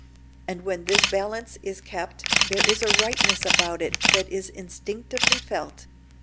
And when this balance is kept there is a rightness about it that is instinctively felt.